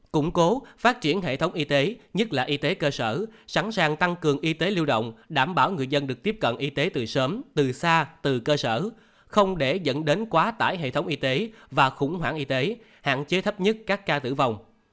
củng cố phát triển hệ thống y tế nhất là y tế cơ sở sẵn sàng tăng cường y tế lưu động đảm bảo người dân được tiếp cận y tế từ sớm từ xa từ cơ sở không để dẫn đến quá tải hệ thống y tế và khủng hoảng y tế hạn chế thấp nhất các ca tử vong